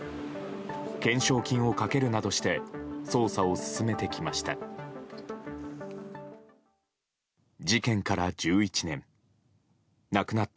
懸賞金をかけるなどして捜査を進めてきました。